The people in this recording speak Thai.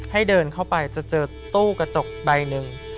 ให้เดินเข้าไปจะเจอตู้กระจกใบหนึ่ง